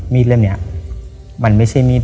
เล่มนี้มันไม่ใช่มีด